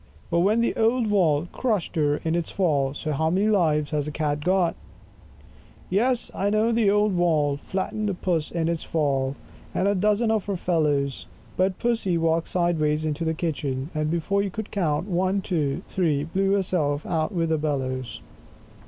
But then the old wall Crush'd her in its fall. So how many Lives has the Cat got? 14 Yes, I know the old wall Flatten'd Puss in its fall, And a dozen of her fellows; But Pussy walked sideways into the kitchen, and before you could count ONE, TWO, THREE, blew herself out with the bellows.